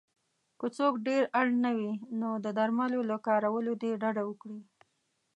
که څوک ډېر اړ نه وی نو د درملو له کارولو دې ډډه وکړی